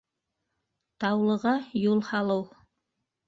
Таулыға юл һалыу...